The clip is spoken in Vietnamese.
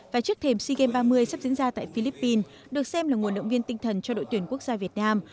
và trước thềm sea games ba mươi sắp diễn ra tại philippines được xem là nguồn động viên tinh thần cho đội tuyển quốc gia việt nam